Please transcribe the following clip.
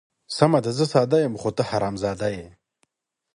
سمه ده زه ساده یم، خو ته حرام زاده یې.